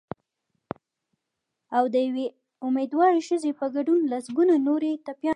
او د یوې امېندوارې ښځې په ګډون لسګونه نور یې ټپیان کړل